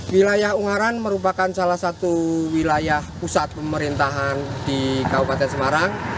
wilayah ungaran merupakan salah satu wilayah pusat pemerintahan di kabupaten semarang